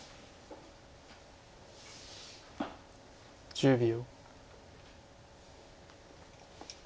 １０秒。